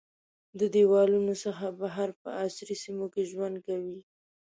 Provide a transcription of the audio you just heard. د دیوالونو څخه بهر په عصري سیمو کې ژوند کوي.